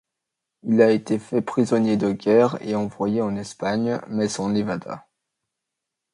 Il a été fait prisonnier de guerre et envoyé en Espagne, mais s'en évada.